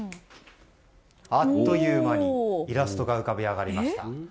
あっという間にイラストが浮かび上がりました。